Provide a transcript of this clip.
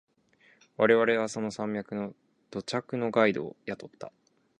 我々はその山脈で土着のガイドを雇った。